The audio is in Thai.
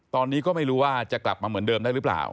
ตอนนี้ก็ไม่รู้ว่าจะกลับมาเหมือนเดิมได้หรือเปล่า